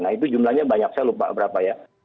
nah itu jumlahnya banyak saya lupa berapa ya